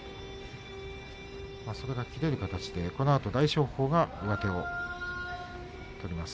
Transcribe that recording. それが切れる形でこのあと大翔鵬が上手を取ります。